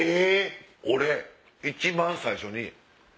俺一番最初に。